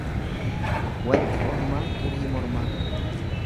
Waanti ormaa xurii mormaa.